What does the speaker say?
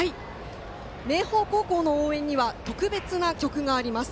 明豊高校の応援には特別な曲があります。